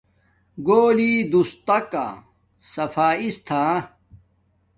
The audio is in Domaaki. گھولی دوس تکا صفایس تھا